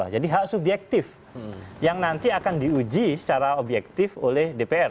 jadi hak subjektif yang nanti akan diuji secara objektif oleh dpr